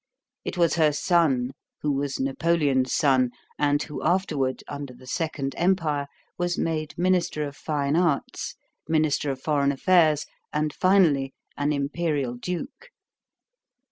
It was her son who was Napoleon's son, and who afterward, under the Second Empire, was made minister of fine arts, minister of foreign affairs, and, finally, an imperial duke.